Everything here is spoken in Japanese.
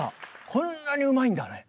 こんなにうまいんだね。